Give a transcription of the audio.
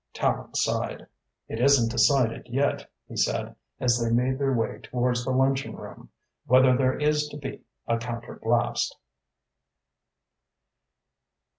Tallente sighed. "It isn't decided yet," he said, as they made their way towards the luncheon room, "whether there is to be a counterblast."